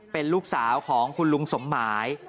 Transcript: เป็นลูกสาวของคุณลุงสมหมาย